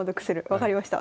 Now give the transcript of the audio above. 分かりました。